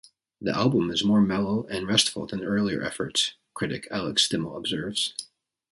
The album is more mellow and restful than earlier efforts, critic Alex Stimmel observes.